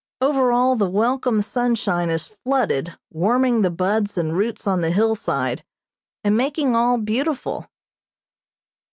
Over all the welcome sunshine is flooded, warming the buds and roots on the hillside, and making all beautiful.